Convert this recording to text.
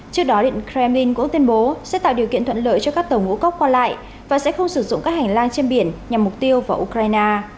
trước đó điện kremlin cũng tuyên bố sẽ tạo điều kiện thuận lợi cho các tàu ngũ cốc qua lại và sẽ không sử dụng các hành lang trên biển nhằm mục tiêu vào ukraine